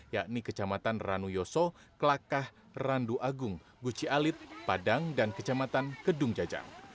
yakni kecamatan ranuyoso kelakah randuagung gucialit padang dan kecamatan gedung jajang